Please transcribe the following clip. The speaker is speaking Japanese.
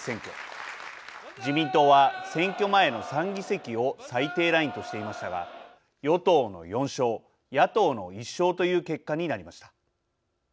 自民党は選挙前の３議席を最低ラインとしていましたが与党の４勝野党の１勝という結果になりました。